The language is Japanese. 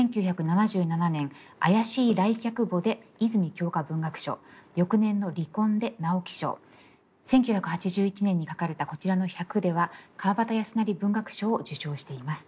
１９７７年「怪しい来客簿」で泉鏡花文学賞翌年の「離婚」で直木賞１９８１年に書かれたこちらの「百」では川端康成文学賞を受賞しています。